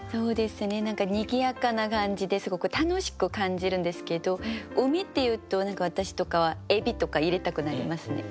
何かにぎやかな感じですごく楽しく感じるんですけど海っていうと私とかはエビとか入れたくなりますね。